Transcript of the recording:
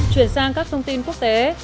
chuyển sang các thông tin quốc tế